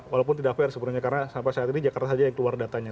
walaupun tidak fair sebenarnya karena sampai saat ini jakarta saja yang keluar datanya